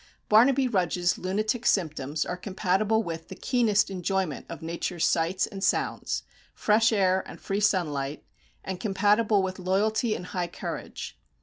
Barnaby Rudge's lunatic symptoms are compatible with the keenest enjoyment of nature's sights and sounds, fresh air and free sunlight, and compatible with loyalty and high courage.